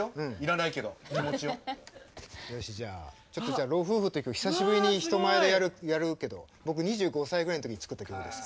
よしじゃあちょっとじゃあ「老夫婦」って曲久しぶりに人前でやるけど僕２５歳ぐらいの時に作った曲です。